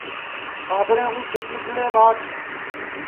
ٹاٻریں کُو کھیٹ میٹڑے ٻاٹ